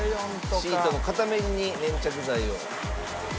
「シートの片面に粘着剤を」